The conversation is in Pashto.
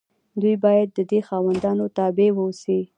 دوی باید د دې خاوندانو تابع واوسي.